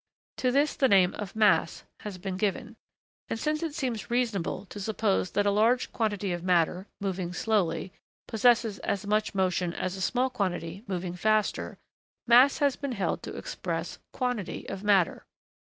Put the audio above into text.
To this the name of 'mass' has been given. And since it seems reasonable to suppose that a large quantity of matter, moving slowly, possesses as much motion as a small quantity moving faster, 'mass' has been held to express 'quantity of matter.'